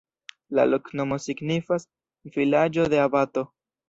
La loknomo signifas: vilaĝo de abato.